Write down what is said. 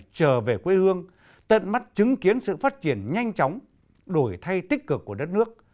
trở về quê hương tận mắt chứng kiến sự phát triển nhanh chóng đổi thay tích cực của đất nước